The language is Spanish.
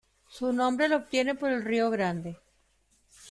Su nombre lo obtiene por el Río Grande.